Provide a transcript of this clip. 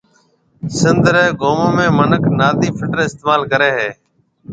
سنڌ رَي گومون ۾ منک نادِي فلٽر استعمال ڪرَي ھيَََ